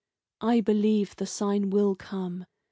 I believe the sign will come.